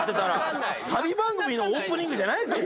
旅番組のオープニングじゃないです